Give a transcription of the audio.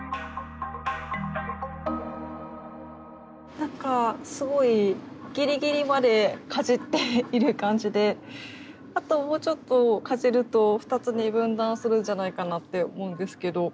なんかすごいギリギリまでかじっている感じであともうちょっとかじると２つに分断するんじゃないかなって思うんですけど。